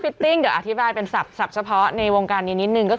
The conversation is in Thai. พิตติ้งเราอธิบายเป็นสับเฉพาะในวงการนี้นิดนึง